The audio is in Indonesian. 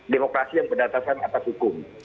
demokrasi yang berdatasan atas hukum